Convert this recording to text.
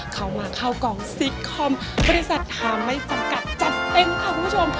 เข้ามาเข้ากองซิกคอมบริษัททาไม่จำกัดจัดเต็มค่ะคุณผู้ชม